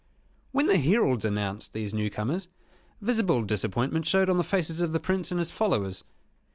When the heralds announced these new comers, visible disappointment showed on the faces of the Prince and his followers.